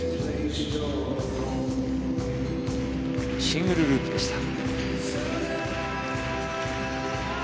シングルループでした。